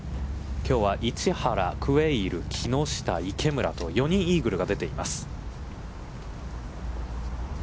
きょうは市原、クウェイル、木下、池村と、４人、イーグルが出ています。